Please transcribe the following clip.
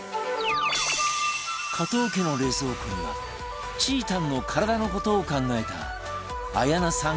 加藤家の冷蔵庫にはちーたんの体の事を考えた綾菜さん